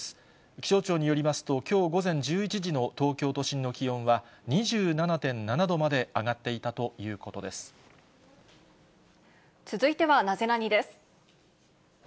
気象庁によりますと、きょう午前１１時の東京都心の気温は、２７．７度まで上がっていたとい続いてはナゼナニっ？です。